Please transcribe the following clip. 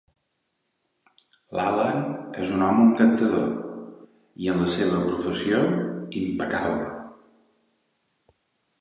L'Allan és un home encantador, i en la seva professió, impecable.